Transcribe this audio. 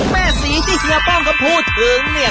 แม่ศรีที่เฮียป้องเขาพูดถึงเนี่ย